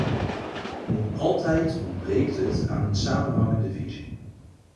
Nog altijd ontbreekt het aan een samenhangende visie.